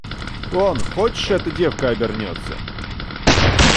Вон хочешь эта девка обернётся?